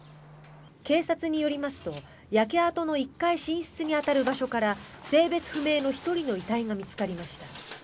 警察によりますと、焼け跡の１階寝室に当たる場所から性別不明の１人の遺体が見つかりました。